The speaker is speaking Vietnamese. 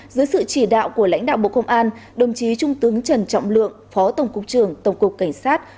dưới sự chỉ đạo của lãnh đạo bộ công an đồng chí trung tướng trần trọng lượng phó tổng cục trưởng tổng cục cảnh sát